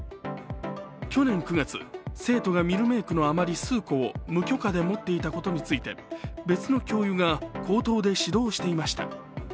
去年９月、生徒がミルメークの余り数個を無許可で持っていたことについて別の教諭が口頭で指導していました。